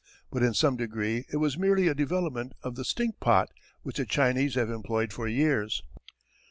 But in some degree it was merely a development of the "stinkpot" which the Chinese have employed for years.